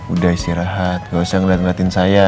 udah istirahat gak usah ngeliat ngeliatin saya